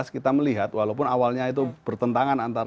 kita melihat walaupun awalnya itu bertentangan antara